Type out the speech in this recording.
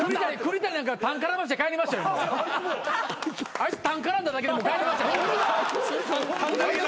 あいつタン絡んだだけで帰りましたよ。